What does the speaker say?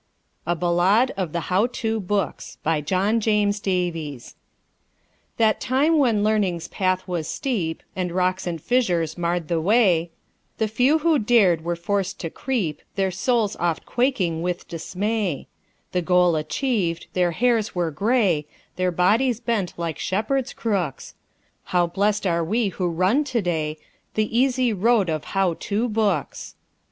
A BALLADE OF THE "HOW TO" BOOKS BY JOHN JAMES DAVIES That time when Learning's path was steep, And rocks and fissures marred the way, The few who dared were forced to creep, Their souls oft quaking with dismay; The goal achieved, their hairs were gray, Their bodies bent like shepherds' crooks; How blest are we who run to day The easy road of "How To" books!